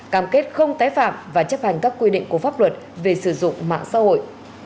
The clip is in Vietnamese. cam kết không tái phạm và chấp hành các quy định của pháp luật về sử dụng mạng xã hội